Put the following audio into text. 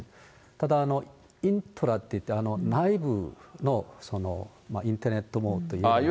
ただ、イントラっていって、内部のインターネット網といいますか。